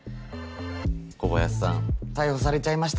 小林さん逮捕されちゃいましたか。